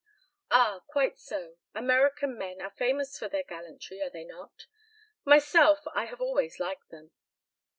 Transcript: "Ah! Quite so. American men are famous for their gallantry, are they not? Myself, I have always liked them."